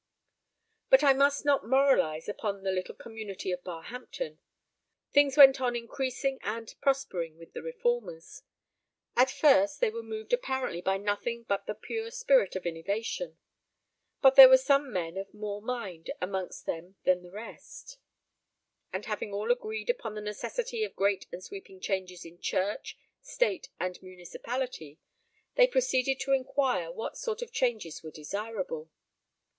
But I must not moralize upon the little community of Barhampton. Things went on increasing and prospering with the reformers. At first they were moved apparently by nothing but the pure spirit of innovation; but there were some men of more mind amongst them than the rest; and having all agreed upon the necessity of great and sweeping changes in church, state, and municipality, they proceeded to inquire what sort of changes were desirable.